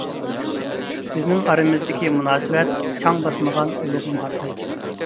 بىزنىڭ ئارىمىزدىكى مۇناسىۋەت چاڭ باسمىغان ئۇلۇغ مۇھەببەت.